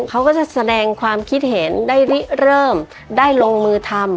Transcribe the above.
เขาก็จะแสดงความคิดเห็นได้ริเริ่มได้ลงมือทำ